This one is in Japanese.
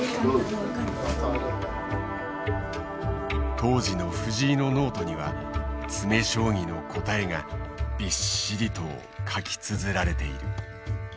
当時の藤井のノートには詰将棋の答えがびっしりと書きつづられている。